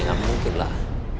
gak mungkin lah